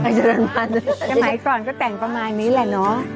วัยเจริญพันธุ์อย่างไหนก่อนก็แต่งประมาณนี้แหละเนอะ